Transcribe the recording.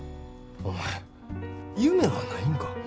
お前夢はないんか？